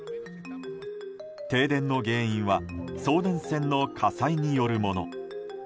停電の原因は送電線の火災によるもの。